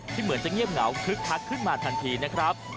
เหมือนจะเงียบเหงาคึกคักขึ้นมาทันทีนะครับ